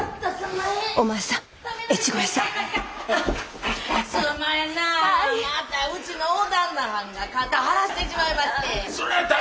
またうちの大旦那はんが肩張らしてしまいまして。